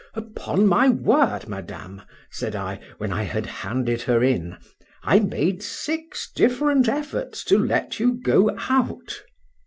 —Upon my word, Madame, said I, when I had handed her in, I made six different efforts to let you go out.